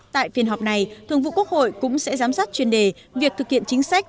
tại phiên họp này thường vụ quốc hội cũng sẽ giám sát chuyên đề việc thực hiện chính sách